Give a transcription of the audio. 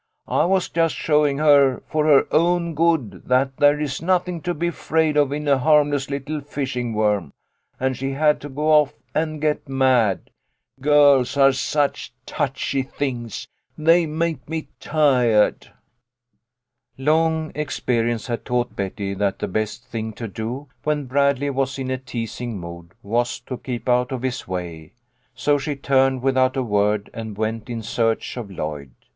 I was just show ing her for her own good that there is nothing to be afraid of in a harmless little fishing worm, and she had to go off and get mad. Girls are such touchy things. They make me tired." Long experience had taught Betty that the best thing to do, when Bradley was in a teasing mood, was to keep out of his way, so she turned without a word and went in search of Lloyd.